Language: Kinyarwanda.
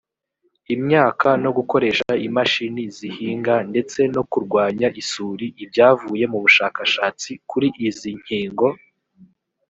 imyaka no gukoresha imashini zihinga ndetse no kurwanya isuri ibyavuye mu bushakashatsi kuri izi nkigo